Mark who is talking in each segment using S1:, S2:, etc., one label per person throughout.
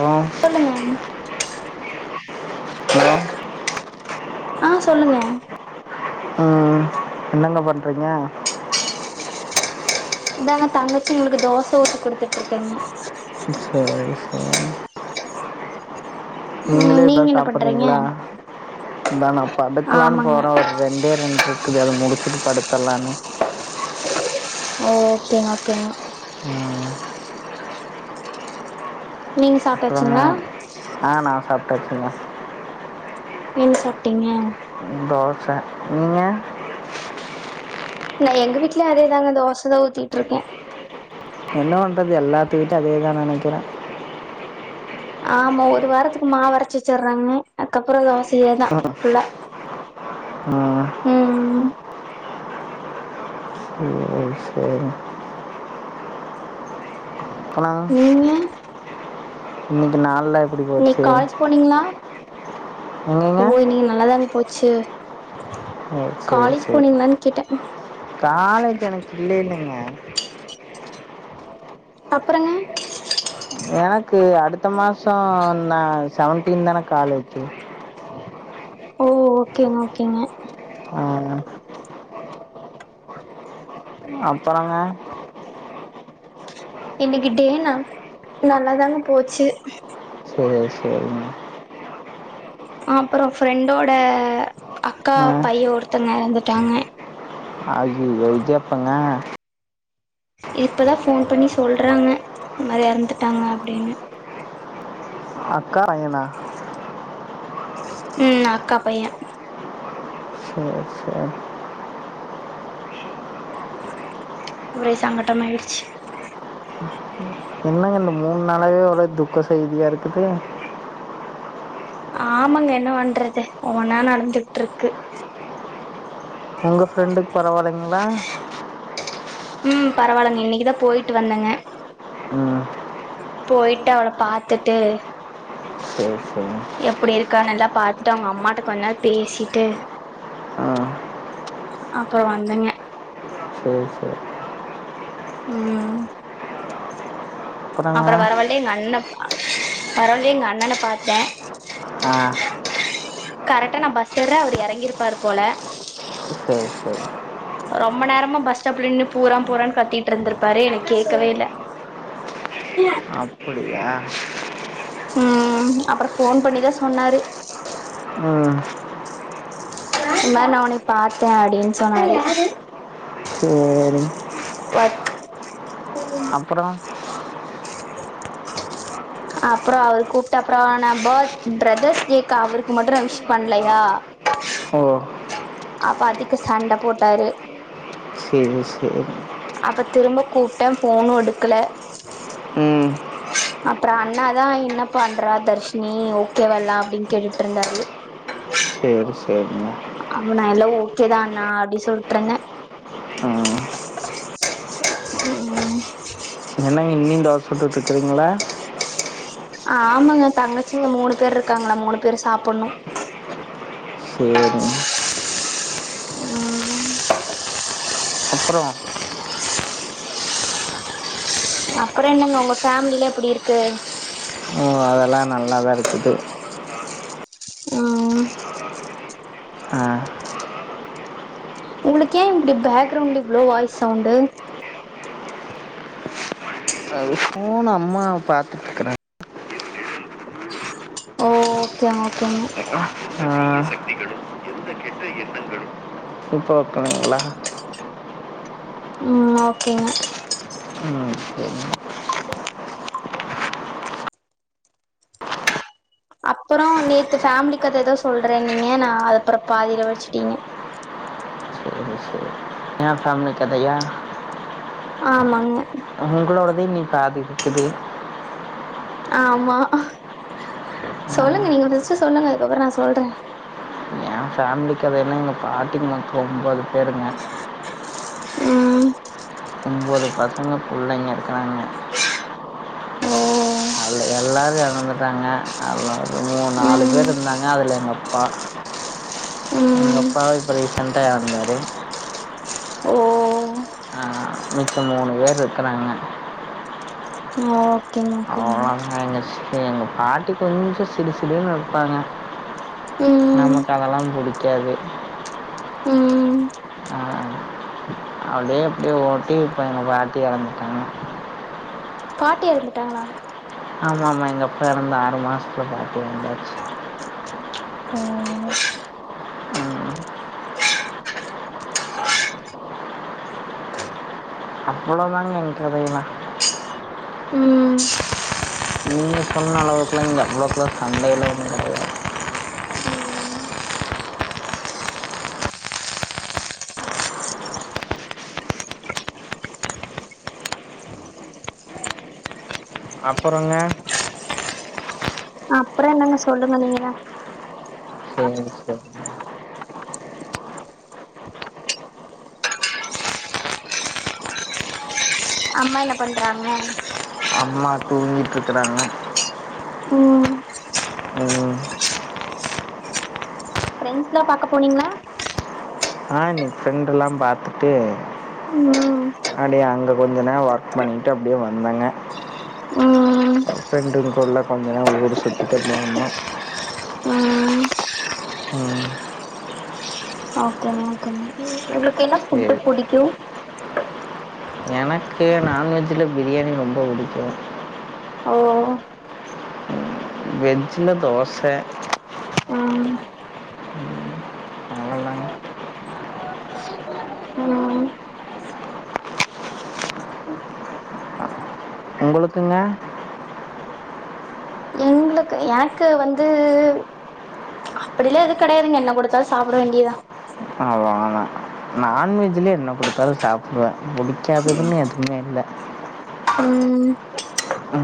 S1: hello
S2: சொல்லுங்க [unintelligible]
S1: hello
S2: ஆ சொல்லுங்க
S1: ம் என்னங்க பண்றீங்க
S2: இதாங்க தங்கச்சி இவுளுக்கு தோச ஊத்தி கொடுத்துட்ருக்கேங்க
S1: சேரி சேரி
S2: ம்
S1: நீங்களே இப்பதா
S2: நீங்க என்ன பண்றீங்க
S1: சாப்பற்றீங்களா இந்தா நா படுக்கலான்னு
S2: ஆமாங்க
S1: போறே ஒரு ரெண்டே ரெண்ட்ருக்குது அது முடிச்சிட்டு படுத்தல்லான்னு
S2: ஓகேங்க ஓகேங்க
S1: ம்
S2: நீங்க
S1: அப்றோங்க
S2: சாப்ட்டாச்சுங்களா
S1: அ நா சாப்டாச்சுங்க
S2: என்ன சாப்டீங்க
S1: தோச நீங்க
S2: நா எங்க வீட்லே அதேதாங்க தோசதா ஊத்திட்ருக்கே
S1: [unintelligible] அதேதா நெனைக்கிற
S2: ஆமா ஒரு வாரத்துக்கு மாவரச் வெச்சுறாங்க அத்கப்புறோ தோசையேதா ஃபுல்லா
S1: அ அ
S2: ம்
S1: சேரி சேரி போனாங்க
S2: நீங்க
S1: இன்னைக்கு நாள்ல
S2: இன்னிக் காலேஜ் போனீங்ளா
S1: எங்கங்க
S2: ஓ இன்னிக்கி நல்லாதானே போச்சு
S1: அ செரி
S2: காலேஜ்
S1: செரி
S2: போனீங்களான்னு கேட்டே
S1: காலேஜ் எனக்கு இல்ல இல்லைங்க
S2: அப்புறங்க
S1: எனக்கு அடுத்த மாசோ நா செவன்டீன் தான காலேஜு
S2: ஓ ஓகேங்க ஓகேங்க
S1: ஆ அப்பறோங்க
S2: இன்னிக்கி டே ந நல்லாதாங்க போச்சு
S1: சேரி சேரி மா
S2: அப்பறோ ஃப்ரெண்டோட அக்கா
S1: ஆ
S2: பைய ஒருத்தங் எறந்துட்டாங்க
S1: அய்யிய்யோ இது எப்பங்க
S2: இப்பதா ஃபோன் பண்ணி சொல்றாங்க இந் மாரி எறந்துட்டாங்க அப்டினு
S1: அக்கா பையனா
S2: ம் அக்கா பைய
S1: சேரி சேரி
S2: ஒரே சங்கட்டம் மாயிடுச்சு
S1: என்னங்க இந்த மூணு நாளவே ஒரே துக்க செய்தியாருக்குது
S2: ஆமாங்க என்ன பண்றது ஒவ்வொன்னா நடந்துட்ருக்கு
S1: உங்க ஃப்ரெண்டுக் பரவாலிங்ளா
S2: ம் பரவாலங் இன்னிக்கிதா போய்ட்டு வந்தேங்க
S1: ம்
S2: போய்ட்டு அவள பாத்துட்டு
S1: செரி செரி
S2: எப்படி இருக்கான்னு எல்லா பாத்துட்டு அவுங்க அம்மாட்ட கொன்நேர் பேசிட்டு
S1: அ
S2: அப்றோ வந்தாங்க
S1: [unintelligible]
S2: ம்
S1: அப்பறங்க
S2: அப்றோ வரவல்லே நல்ல வரவழில எங்க அண்ணன பாத்தே
S1: ஆ
S2: கரெக்டா நா பஸு ஏர்றே அவுரு எறங்கிருப்பாரு போல
S1: சரி சரி
S2: ரொம்ப நேரமா பஸ் ஸ்டாப்ல நின்னு பூரா பூரானு கத்திட்ருந்துருக்காரு எனக்கு கேக்கவே இல்ல
S1: அப்டியா
S2: ம் அப்றோ ஃபோன் பண்ணிதா சொன்னாரு
S1: ம்
S2: இல்ல நா ஒன்னய பாத்தே அப்டின்னு சொன்னாரு
S1: சேர்
S2: வொர்க்
S1: அப்றோ [inaudible]
S2: அப்றோ அவுரு கூப்ட்ட அப்றோ நா பத் பிரதர்ஸ் டேக்கு அவுருக்கு மட்டு நா விஷ் பண்லயா
S1: ஓ
S2: அப்ப அதுக்கு சண்ட போட்டாரு
S1: செரி செரி
S2: அப்ப திரும்ப கூப்டே ஃபோனு எடுக்ல
S1: ம்
S2: அப்றோ அண்ணாதா என்ன பண்ற தர்ஷினி ஓகேவா எல்லா அப்டினு கேட்டுட்டு இருந்தாரு
S1: சேரி சேரி
S2: ஆமணா எல்லா ஓகேதாண்ணா அப்டி சொல்ட்ருந்தே
S1: ஆ
S2: ம்
S1: என்னங்க இன்னிங் தோச சுட்டுட்டு இருக்கறீங்களா
S2: ஆமாங்க தங்கச்சிங்க மூனு பேரு இருக்காங்ளா மூனு பேரு சாப்புட்னு
S1: சேரிங் அப்றோ
S2: அப்றோ என்னங்க ஒங்க ஃபேமிலிலா எப்டி இருக்கு
S1: அதெல்லா நல்லா தா இருக்குது
S2: ம்
S1: ஆ
S2: ஒங்ளுக்கு ஏ இப்டி பேக்ரவுண்ட் இவ்ளோ வாய் சவுண்டு
S1: ஃபோன் அம்மா பாத்துட்ருக்கறே
S2: ஓகேங்க ஓகேங்க
S1: ஆ இப்ப வப்பாங்களா
S2: ம் ஓகேங்க
S1: ச
S2: அப்றோ நேத்து ஃபேமிலி கத எதோ சொல்றேனீங்க நா அப்றோ பாதில வச்சிட்டீங்க
S1: ஏ ஃபேமிலி கதையா
S2: ஆமாங்க
S1: ஒங்களோடது இன்னிக் பாதி இருக்குது
S2: ஆமா சொல்லுங்க நீங்க ஃபர்ஸ்ட்டு சொல்லுங்க அதுக்கப்றோ நா சொல்றே
S1: ஏ ஃபேமிலி கதைலா எங்க பாட்டிக்கு மொத்தோ ஒம்போது பேருங்களா
S2: ம்
S1: ஒம்பது பசங்க புள்ளைங்க இருக்குறாங்க
S2: ஓ
S1: அதுல எல்லாரு எறந்துட்டாங்க அதுல மூனு நாலு பேரு
S2: ம்
S1: இருந்தாங்க அதுல எங்க அப்பா எங்க
S2: ம்
S1: அப்பா இப்ப ரீசன்டா எறந்தாரு
S2: ஓ
S1: அ மிச்சம் மூணு பேர் ருக்கறாங்க
S2: ஆ ஓகேங்க ஓகே மேம்
S1: அ எங்க ச எங்க பாட்டி கொஞ்சு சிடு சிடுனுு இருப்பாங்க
S2: ம்
S1: நமக் அதெல்லா புடிக்காது
S2: ம்
S1: அப்டியே அப்டே ஓட்டி இப்ப எங்க பாட்டி எறந்துட்டாங்க
S2: பாட்டி எறந்துட்டாங்ளா
S1: ஆமா ஆமா எங்கப்பா எறந்து ஆறு மாசத்ல பாட்டி எறந்தாச்சு
S2: ம் ம்
S1: ம் அவ்வளோதாங்க எ கதையிலா
S2: ம்
S1: நீங்க சொன்ன அளவுக்குலா இங்க அவ்ளோக்குலா சண்டையில ஒன்னு கெடையாது அப்புறங்க
S2: ந என்னங்க சொல்லுங்க நீங்கதா
S1: செரி செரி
S2: அம்மா என்ன பண்றாங்க
S1: அம்மா தூங்கிட்ருக்குறாங்க
S2: ம்
S1: ம்
S2: ஃப்ரெண்ட்ஸ்லா பாக்க போனீங்ளா
S1: அ இன்னிக் ஃப்ரெண்டெல்லா பாத்துட்டு
S2: ம்
S1: கொஞ்ச நேர ஒர்க் பண்ணிட்டு அப்டியே வந்தங்க
S2: ம்
S1: ஃப்ரெண்டுங்கூட்லா கொஞ்ச நேரோ ஊரு சுத்திட்டு [unintelligible] வந்தா
S2: ம்
S1: ம்
S2: ஓகேங்க ஓகேங்க உங்குளுக்கு என்ன
S1: சரி
S2: ஃபுட்டு புடிக்கு
S1: எனக்கு நான்வெஜ்ஜில பிரியாணி ரொம்போ புடிக்கு
S2: ஓ
S1: வெஜ்ஜில தோச
S2: ம்
S1: அவ்வளோதாங்க
S2: ம்
S1: உங்களுக்குங்க
S2: எங்களுக்கு எனக்கு வந்து அப்புடிலா எது கெடையாதுங்க என்ன கொடுத்தாலு சாப்புட வேண்டியதா
S1: அ நான்வெஜ்ஜில என்ன குடுத்தாலு சாப்டுவே ம் புடிச்சாததுன்னு எதுமே இல்ல
S2: ம்
S1: அ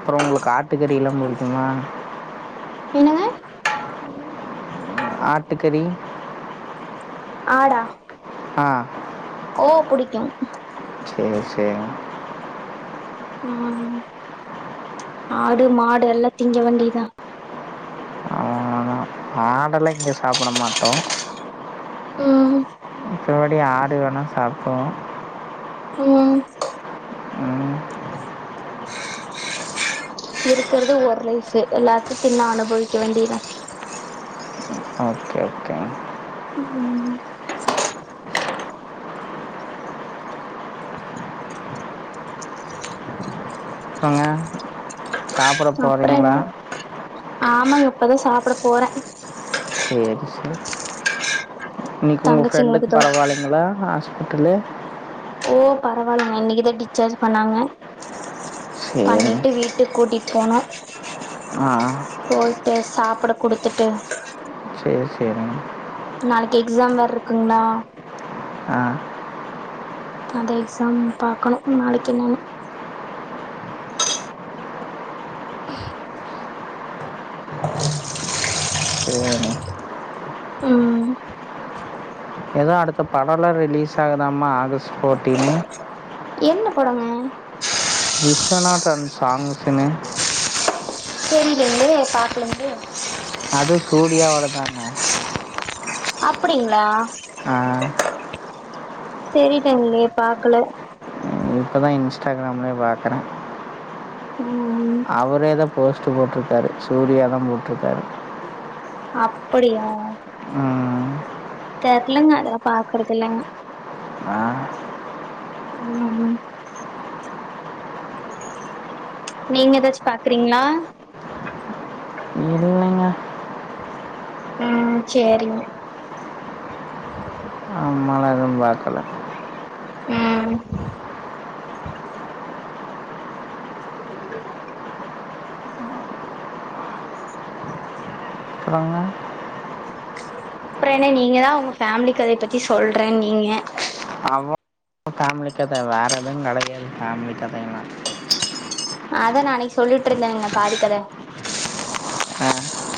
S1: அப்றோ உங்குளுக்கு ஆட்டுக்கறில்லாம் புடிக்குமா
S2: என்னங்க
S1: ஆட்டுக்கறி
S2: ஆடா
S1: ஆ
S2: ஓ புடிக்கு
S1: சேரி சேரி
S2: ம் ஆடு மாடு எல்லா திங்க வேண்டிதா
S1: ஆடல்லா இங்க சாப்புட மாட்டோ
S2: ம்
S1: மித்தபடி ஆடு வேணா சாப்டோ
S2: ம்
S1: ம்
S2: இருக்குறது ஒரு லைஃபு எல்லாத்தி தின்னு அனுபவிக்க வேண்டிதா
S1: ஓகே ஓகே
S2: ம்
S1: சாப்புட
S2: அப்றோ
S1: போறீங்ளா
S2: என்ன ஆமாங்க இப்பதா சாப்புட போற
S1: சேரி சேரி இன்னிக்கு உங்க
S2: தங்கச்சிங்களுக்கு
S1: ஃப்ரெண்டுக்கு
S2: தோ
S1: பரவாலைங்களா ஹாஸ்பிட்டலு
S2: ஓ பரவாலங்க இன்னிக்குதா டிச்சாஜி பண்ணாங்க
S1: சரிங்க
S2: பண்ணிட்டு வீட்டுக் கூட்டிட்போனோ
S1: அ
S2: சாப்பட குடுத்துட்டு
S1: சேர் சேரிங்க
S2: நாளைக்கு எக்ஸாம் வேர்ருக்குங்களா
S1: ஆ
S2: அந்த எக்ஸாம் பாக்கணு நாளைக்கு என்னனு
S1: சேரிங்
S2: ஆ
S1: எதோ அடுத்த படோலா ரிலீஸ் ஆகுதாமா ஆகஸ்ட் ஃபோர்ட்டீனு
S2: என்ன படோங்க
S1: விஸ்வநாதன் சாங்சுனு
S2: தெரிலங்ளே பாக்கலங்ளே
S1: அது சூர்யாவோட தாங்க
S2: அப்புடிங்ளா
S1: ஆ
S2: தெரிலங்ளே பாக்கல
S1: இப்ப தா இன்ஸ்டாகிராம்லே பாக்கற
S2: ம்
S1: அவரேதா போஸ்ட்டு போட்ருக்காரு சூர்யாதா போட்ருக்காரு
S2: அப்படியா
S1: ம்
S2: தெர்லங்க அதெல்லா பாக்கறதில்லங்க
S1: ஆ,
S2: ம் ம் நீங்க ஏதாச்சு பாக்குறீங்களா
S1: இல்லங்க
S2: ம் சேரிங்க
S1: ம் வாக்கல
S2: ம்
S1: அப்றோங்க
S2: அப்பற என்ன நீங்க தா உங்க ஃபேமிலி கதைய பத்தி சொல்றனீங்க
S1: அவன் ஃபேமிலி கத வேற எதுங்கடயாது ஃபேமிலி கதங்க தா
S2: அதா நா அன்னைக்கு சொல்லிட்டு இருந்தங்க பாதிக்கத
S1: அ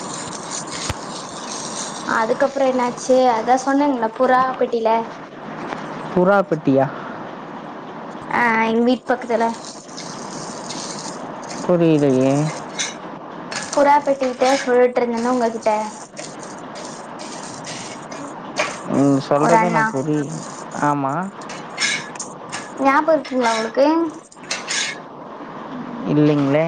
S2: அதுக்கப்றோ என்னாச்சி அதா சொன்னேங்ளா புறா பெட்டில
S1: புறா பெட்டியா
S2: அ எங்க வீட் பக்கத்துல
S1: புரிலயே
S2: புறா பெட்டிக்கிட்ட சொல்லிட்ருந்தேனா ஒங்ககிட்ட
S1: ம்
S2: ஒரு
S1: சொல்றதே
S2: அண்ணா
S1: எனக்கு புரில்ல ஆமா
S2: ஞாபோ இருக்குங்களா ஒங்களுக்கு
S1: இல்லிங்ளே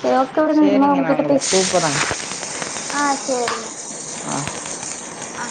S2: செரி ஓகே விடுங்க இருந்தா
S1: சரிங்க நான்
S2: உங்ககிட்ட
S1: உங்களுக்கு
S2: பேசி
S1: கூப்பிட்றேன்
S2: ஆ சேரிங்க
S1: ஆ
S2: ஆ